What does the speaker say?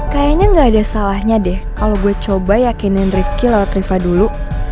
kayaknya gak ada salahnya deh kalo gue coba yakinin rifqi lewat riva dulu